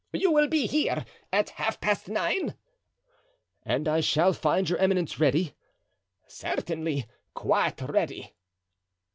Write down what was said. "You will be here at half past nine." "And I shall find your eminence ready?" "Certainly, quite ready."